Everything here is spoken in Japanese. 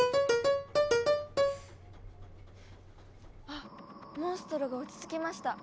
あモンストロが落ち着きました。